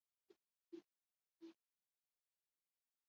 Denak zeuden jakinaren gainean.